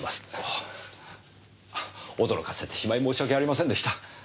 あ驚かせてしまい申し訳ありませんでした。